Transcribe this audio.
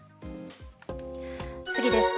次です。